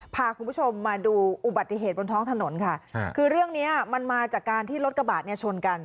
พาคุณผู้ชมมาดูอุบัติเหตุบนท้องถนนค่ะคือเรื่องเนี้ยมันมาจากการที่รถกระบะเนี่ยชนกัน